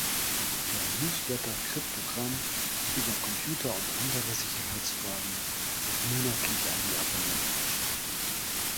Der Newsletter "Crypto-Gram" über Computer- und andere Sicherheitsfragen wird monatlich an die Abonnenten verschickt.